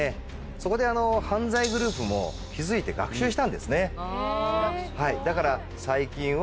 そこで犯罪グループも気付いて学習したんですね。